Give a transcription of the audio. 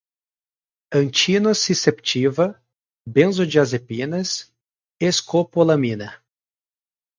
antinociceptiva, benzodiazepinas, escopolamina